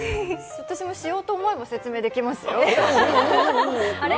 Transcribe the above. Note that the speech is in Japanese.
私もしようと思えば説明できますよ。